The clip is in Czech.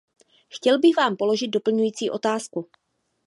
Chtěl bych vám položit doplňující otázku.